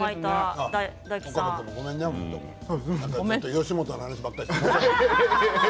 吉本の話ばかりして。